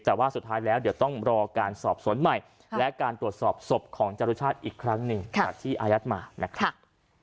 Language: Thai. แต่ว่าสุดท้ายแล้วเดี๋ยวต้องรอการสอบสวนใหม่และการตรวจสอบศพของจรุชาติอีกครั้งหนึ่งจากที่อายัดมานะครับ